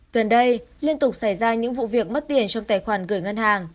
gần đây liên tục xảy ra những vụ việc mất tiền trong tài khoản gửi ngân hàng